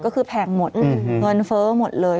ก็คือแพงหมดเงินเฟ้อหมดเลย